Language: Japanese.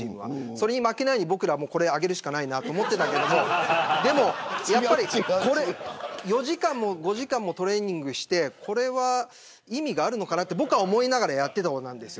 それに負けないように僕らは、これ上げるしかないなと思っていたんですけどでも、４時間も５時間もトレーニングしてこれは意味があるのかなと思いながらやっていたんですよ。